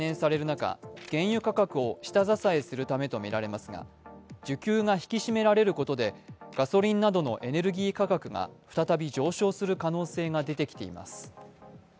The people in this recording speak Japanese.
中原油価格を下支えするためとみられますが需給が引き締められることで、ガソリンなどのエネルギー価格が再び上昇する可能性が出てきています。